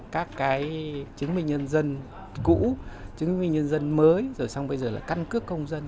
các cái chứng minh nhân dân cũ chứng minh nhân dân mới rồi xong bây giờ là căn cước công dân